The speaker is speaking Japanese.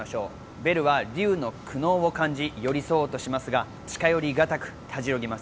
ベルは竜の苦悩を感じ、寄り添おうとしますが近寄りがたく、立ち寄ります。